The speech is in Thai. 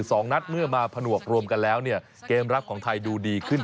สองนัดเมื่อมาผนวกรวมกันแล้วเนี่ยเกมรับของไทยดูดีขึ้น